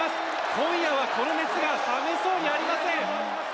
今夜はこの熱が冷めそうにありません。